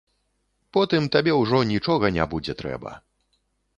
Потым табе ўжо нічога не будзе трэба.